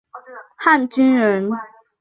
汉军人。